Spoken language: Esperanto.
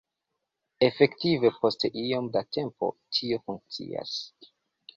Efektive, post iom da tempo, tio funkcias.